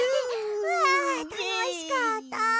わたのしかった。